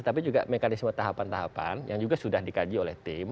tapi juga mekanisme tahapan tahapan yang juga sudah dikaji oleh tim